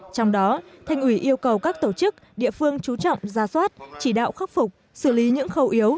trong đó thành ủy yêu cầu các tổ chức địa phương trú trọng gia soát chỉ đạo khắc phục xử lý những khẩu yếu